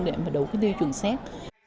để mà đủ cái tiêu chuẩn xét